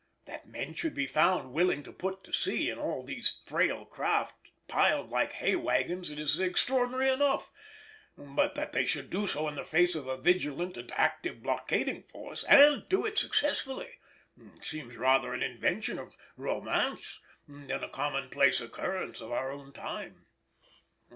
That men should be found willing to put to sea at all in these frail craft piled like hay waggons is extraordinary enough, but that they should do so in the face of a vigilant and active blockading force, and do it successfully, seems rather an invention of romance than a commonplace occurrence of our own time.